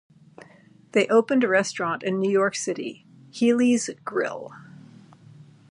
They opened a restaurant in New York City, "Healy's Grill".